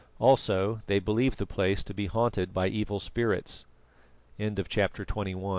Also they believed the place to be haunted by evil spirits. CHAPTER XXII THE